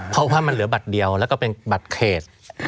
เพราะว่ามันเหลือบัตรเดียวแล้วก็เป็นบัตรเขต